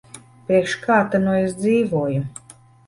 Priekš kā ta nu es dzīvoju.